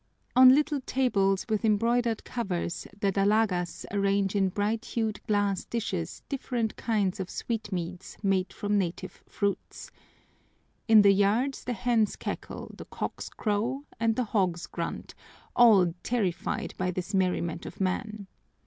On little tables with embroidered covers the dalagas arrange in bright hued glass dishes different kinds of sweetmeats made from native fruits. In the yard the hens cackle, the cocks crow, and the hogs grunt, all terrified by this merriment of man.